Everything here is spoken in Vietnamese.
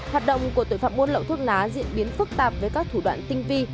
hoạt động của tội phạm buôn lậu thuốc lá diễn biến phức tạp với các thủ đoạn tinh vi